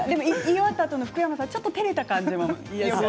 言い終わったあとに福山さんちょっとてれた感じで。